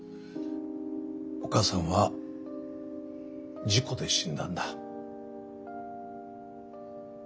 お母さんは事故で死んだんだ。